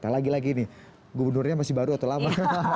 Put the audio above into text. lagi lagi nih gubernurnya masih baru atau lama